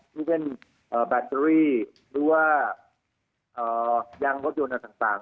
ไม่ว่าจะเป็นแบตเตอรี่หรือว่ายังวดยนต์หรือต่าง